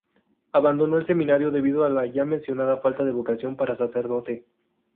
Abandonó el seminario debido a la ya mencionada falta de vocación para ser sacerdote.